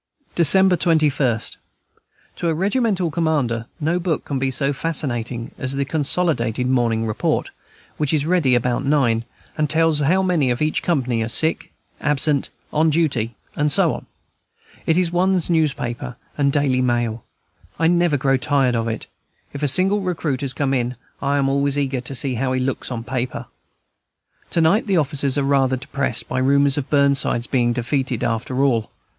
December 21. To a regimental commander no book can be so fascinating as the consolidated Morning Report, which is ready about nine, and tells how many in each company are sick, absent, on duty, and so on. It is one's newspaper and daily mail; I never grow tired of it. If a single recruit has come in, I am always eager to see how he looks on paper. To night the officers are rather depressed by rumors of Burnside's being defeated, after all.